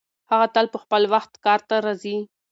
هغه تل په خپل وخت کار ته راځي.